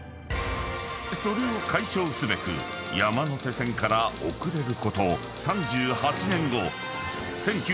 ［それを解消すべく山手線から遅れること３８年後］